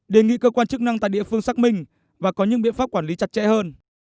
đề nghị cơ quan chức năng tại địa phương xác minh và có những biện pháp quản lý chặt chẽ hơn